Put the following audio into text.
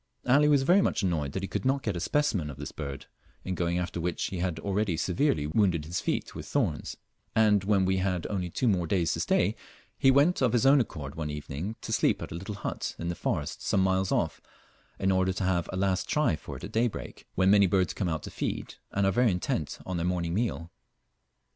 Ali was very much annoyed that he could not get a specimen of this bird, in going after which he had already severely, wounded his feet with thorns; and when we had only two days more to stay, he went of his own accord one evening to sleep at a little but in the forest some miles off, in order to have a last try for it at daybreak, when many birds come out to feed, and are very intent on their morning meal.